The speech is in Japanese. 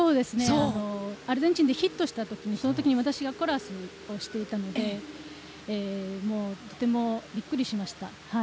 アルゼンチンでヒットしたときにそのときに私がコーラスしていたのでとても、びっくりしました。